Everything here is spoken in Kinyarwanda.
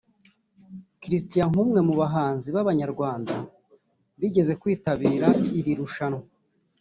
Christian nk’umwe mu bahanzi b’Abanyarwanda bigeze kwitabira iri rushanwa